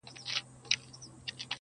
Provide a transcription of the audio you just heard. o د زړه، زړه ته لار وي٫